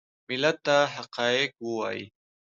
ملت ته حقایق ووایي .